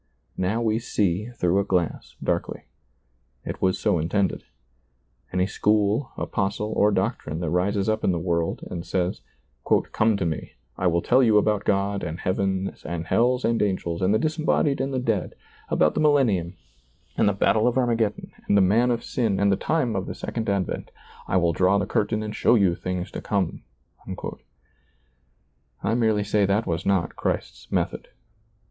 Now we see through a glass darkly. It was so intended. Any school, apostle, or doctrine that rises up in the world and says, "Come to me, I will tell you about God and heavens and hells and angels and the disembodied and the dead, about the ^lailizccbvGoOgle 33 SEEING DARKLY Millenium and the battle of Armageddon and ^e ' man of sin ' and the time of the Second Advent ; I will draw the curtain and show you things to come :" I merely say that was not Christ's method.